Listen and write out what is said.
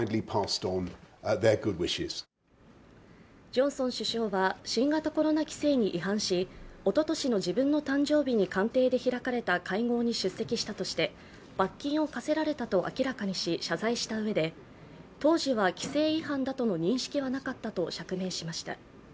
ジョンソン首相は新型コロナ規制に違反しおととしの自分の誕生日に官邸で開かれた会合に出席したとして罰金を科せられたと明らかにし、謝罪したうえで当時は規制違反だとの認識はなかったと釈明しました。